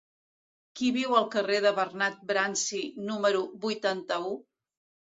Qui viu al carrer de Bernat Bransi número vuitanta-u?